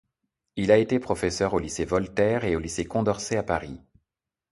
Il a été professeur au lycée Voltaire et au lycée Condorcet à Paris.